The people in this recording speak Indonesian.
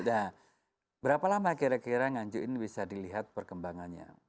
nah berapa lama kira kira nganjuk ini bisa dilihat perkembangannya